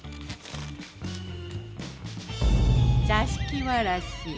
座敷わらし。